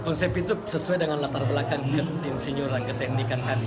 konsep itu sesuai dengan latar belakang keinsinyuran ke teknikan kami